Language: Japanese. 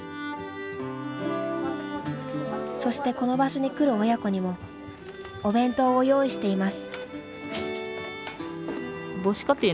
そしてこの場所に来る親子にもお弁当を用意しています。